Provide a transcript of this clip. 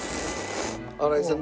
新井さん